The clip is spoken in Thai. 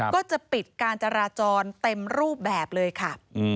ก็จะปิดการจราจรเต็มรูปแบบเลยค่ะ